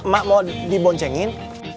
mak mau diboncengin